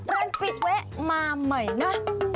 ไลน์ปิดไว้มาใหม่นะ